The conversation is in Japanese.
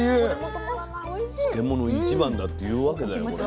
漬物一番だって言うわけだよこれ。